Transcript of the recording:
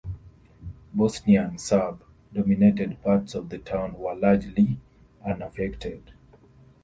Bosnian Serb-dominated parts of the town were largely unaffected.